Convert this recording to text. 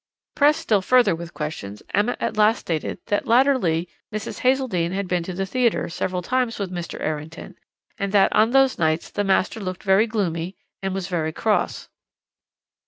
"Pressed still further with questions, Emma at last stated that latterly Mrs. Hazeldene had been to the theatre several times with Mr. Errington, and that on those nights the master looked very gloomy, and was very cross.